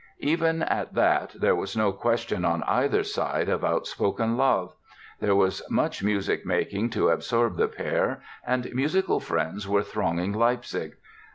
Even at that there was no question on either side of outspoken love. There was much music making to absorb the pair, and musical friends were thronging Leipzig.